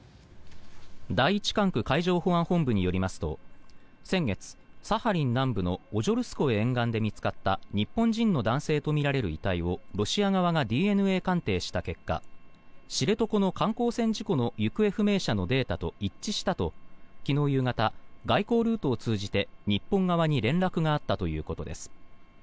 第一管区海上保安本部によりますと先月、サハリン南部のオジョルスコエ沿岸で見つかった日本人の男性とみられる遺体をロシア側がＤＮＡ鑑定した結果知床の観光船事故の行方不明者のデータと一致したと昨日夕方、外交ルートを通じて日本側に連絡があったということです。